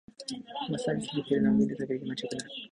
マッサージされてるのを見るだけで気持ちよくなる